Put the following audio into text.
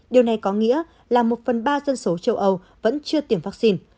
điều này có nghĩa là một phần ba dân số châu âu vẫn chưa tiêm vaccine